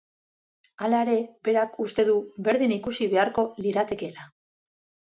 Halere, berak uste du berdin ikusi beharko liratekeela.